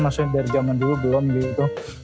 maksudnya dari zaman dulu belum gitu